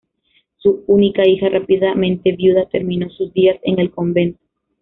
Su única hija, rápidamente viuda, terminó sus días en el convento.